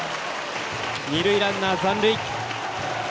二塁ランナー、残塁。